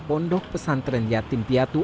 pondok pesantren yatim piatu